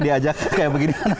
diajak kayak begini